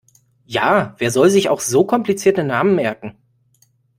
Ja, wer soll sich auch so komplizierte Namen merken!